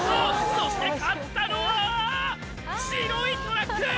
そして勝ったのは白いトラック！